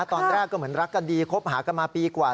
ตอนแรกก็เหมือนรักกันดีคบหากันมาปีกว่า